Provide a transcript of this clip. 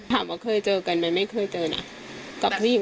ตามว่าเคยเจอกันไหมไม่เคยเจอนะกับตอนนั้น